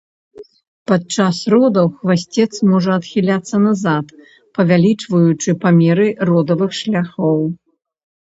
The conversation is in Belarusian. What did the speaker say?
Падчас родаў хвасцец можа адхіляцца назад, павялічваючы памеры родавых шляхоў.